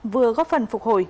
vừa góp phần phục hồi